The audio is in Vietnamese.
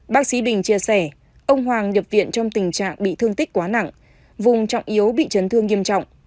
bác sĩ bình chia sẻ ông hoàng nhập viện trong tình trạng bị thương tích quá nặng vùng trọng yếu bị chấn thương nghiêm trọng